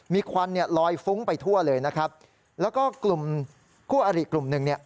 มีควันเนี่ยลอยฟุ้งไปทั่วเลยนะครับแล้วก็กลุ่มคู่อริกลุ่มหนึ่งเนี่ย